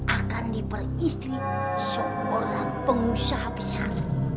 akan diperistri seorang pengusaha besar